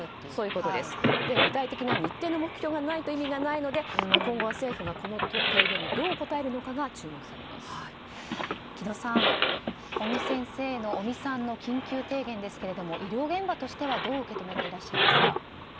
具体的な日程の目標がないと意味がないので今後は、政府がこの提言にどう答えるのかが城戸さん尾身さんの緊急提言ですが医療現場としてはどう受け止めていらっしゃいますか？